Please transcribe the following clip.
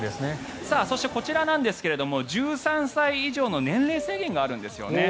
そして、こちらなんですが１３歳以上の年齢制限があるんですね。